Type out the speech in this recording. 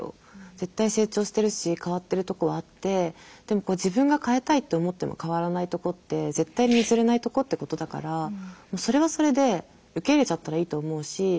絶対成長してるし変わってるとこはあってでも自分が変えたいって思っても変わらないとこって絶対に譲れないとこってことだからもうそれはそれで受け入れちゃったらいいと思うし。